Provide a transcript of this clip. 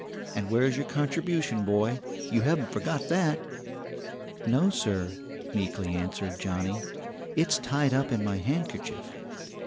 And where's your contribution, boy? You haven't forgotten that?" "No, sir," meekly answered Johnnie, "it's tied up in my handkerchief."